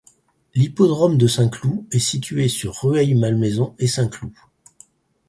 L'hippodrome de Saint-Cloud est situé sur Rueil-Malmaison et Saint-Cloud.